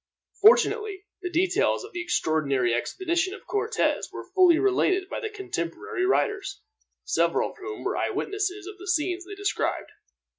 Fortunately, the details of the extraordinary expedition of Cortez were fully related by contemporary writers, several of whom were eyewitnesses of the scenes they described.